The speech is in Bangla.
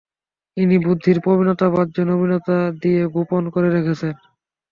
ইনি বুদ্ধির প্রবীণতা বাহ্য নবীনতা দিয়ে গোপন করে রেখেছেন।